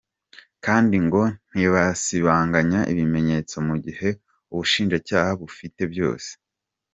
Kandi ngo ntibasibanganya ibimenyetso mu gihe ubushinjacyaha bubifite byose.